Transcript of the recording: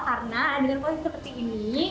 karena dengan posisi seperti ini